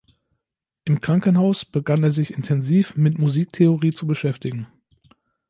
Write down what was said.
Im Krankenhaus begann er sich intensiv mit Musiktheorie zu beschäftigen.